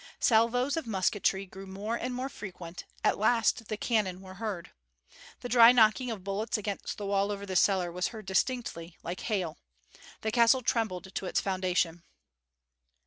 Salvos of musketry grew more and more frequent; at last the cannon were heard. The dry knocking of bullets against the wall over the cellar was heard distinctly, like hail. The castle trembled to its foundation.